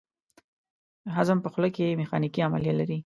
هضم په خوله کې میخانیکي عملیه لري.